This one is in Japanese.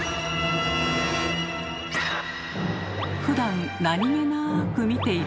ふだん何気なく見ている山。